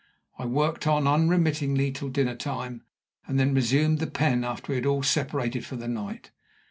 I worked on unremittingly till dinner time, and then resumed the pen after we had all separated for the night.